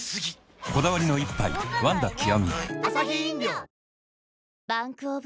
こだわりの一杯「ワンダ極」